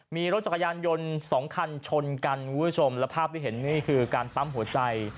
มีรถจักรยานยนต์สองคันชนกันคุณผู้ชมแล้วภาพที่เห็นนี่คือการปั๊มหัวใจ